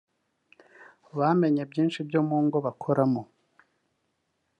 bamenya byinshi byo mu ngo bakoramo